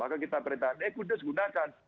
maka kita perintahkan eh kudus gunakan